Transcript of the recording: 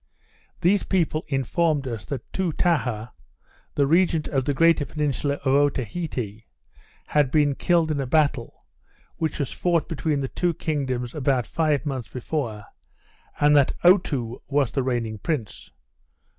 These people informed us, that Toutaha, the regent of the greater peninsula of Otaheite, had been killed in a battle, which was fought between the two kingdoms about five months before, and that Otoo was the reigning prince.